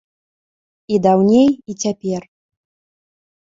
І даўней, і цяпер.